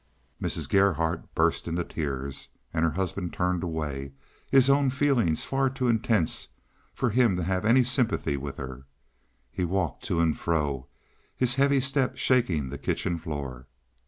Mrs. Gerhardt burst into tears, and her husband turned away, his own feelings far too intense for him to have any sympathy with her. He walked to and fro, his heavy step shaking the kitchen floor.